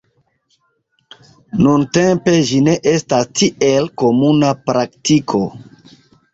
Nuntempe ĝi ne estas tiel komuna praktiko.